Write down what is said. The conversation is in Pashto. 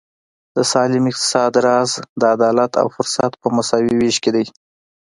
د سالم اقتصاد راز د عدالت او فرصت په مساوي وېش کې دی.